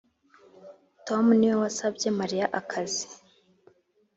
tom niwe wasabye mariya akazi.